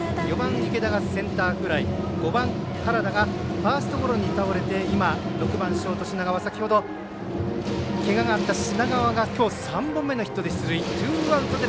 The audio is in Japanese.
池田がセンターフライ５番、原田がファーストゴロに倒れて６番ショートの先ほど、けががあった品川がきょう３本目のヒットで出塁。